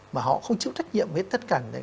mà họ không chịu trách nhiệm với tất cả